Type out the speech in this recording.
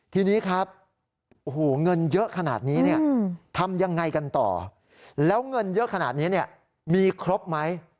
ทีนี้ครับโอ้โหเงินเยอะขนาดนี้เนี่ยทำยังไงกันต่อแล้วเงินเยอะขนาดนี้เนี่ยมีครบไหม